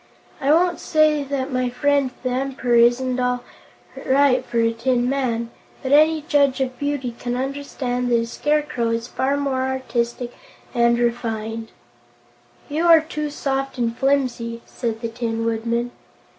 I won't say that my friend the Emperor isn't all right for a tin man, but any judge of beauty can understand that a Scarecrow is far more artistic and refined." "You are too soft and flimsy," said the Tin Woodman.